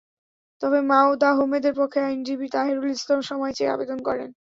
তবে মওদুদ আহমদের পক্ষে আইনজীবী তাহেরুল ইসলাম সময় চেয়ে আবেদন করেন।